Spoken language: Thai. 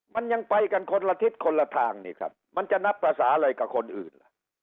มันยังไปกันคนละทิศคนละทางนี่ครับมันจะนับภาษาอะไรกับคนอื่นล่ะ